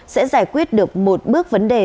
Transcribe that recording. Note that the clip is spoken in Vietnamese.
sẽ giải quyết được một bước vấn đề